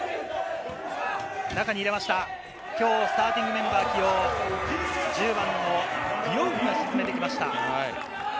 中に入れました、今日スターティングメンバー起用、１０番のディオウフが沈めてきました。